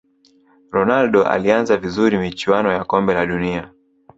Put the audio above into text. ronaldo alianza vizuri michuano ya kombe la dunia